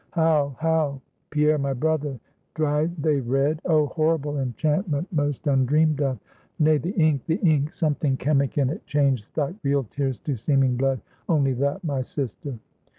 "How? how? Pierre, my brother? Dried they red? Oh, horrible! enchantment! most undreamed of!" "Nay, the ink the ink! something chemic in it changed thy real tears to seeming blood; only that, my sister."